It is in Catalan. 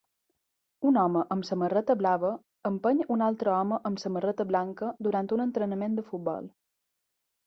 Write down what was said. Un home amb samarreta blava empeny un altre home amb samarreta blanca durant un entrenament de futbol.